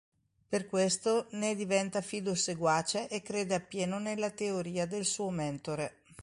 Per questo ne diventa fido seguace e crede appieno nella teoria del suo mentore.